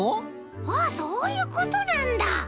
ああそういうことなんだ。